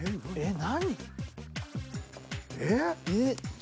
何？